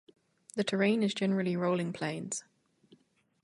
The terrain is generally rolling plains.